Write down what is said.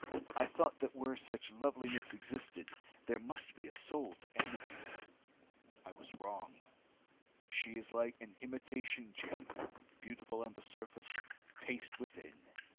I thought that where such loveliness existed, there must be a soul to animate it. I was wrong. She is like an imitation gem beautiful on the surface, paste within.